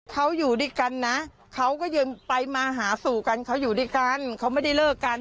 เขาอยู่ด้วยกันนะเขาก็ยังไปมาหาสู่กันเขาอยู่ด้วยกันเขาไม่ได้เลิกกัน